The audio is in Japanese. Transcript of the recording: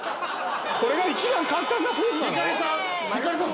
これが一番簡単なポーズなの？